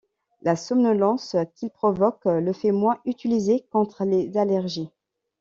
La somnolence qu'il provoque le fait moins utiliser contre les allergies.